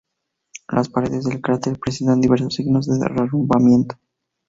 Las paredes del cráter presentan diversos signos de derrumbamiento.